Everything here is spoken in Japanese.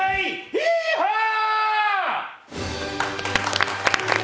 ヒーハー！